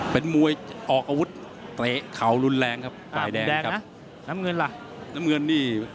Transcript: เป็นมวยออกอาวุธเตะเข่ารุนแรงครับฝ่ายแดงแดงนะน้ำเงินล่ะน้ำเงินนี่